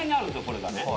これがね。